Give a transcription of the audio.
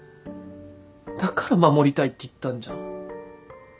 だから「守りたい」って言ったんじゃん。